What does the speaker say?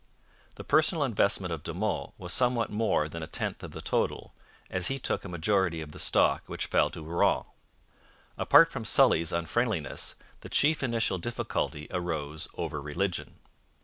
The personal investment of De Monts was somewhat more than a tenth of the total, as he took a majority of the stock which fell to Rouen. Apart from Sully's unfriendliness, the chief initial difficulty arose over religion.